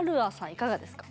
いかがですか？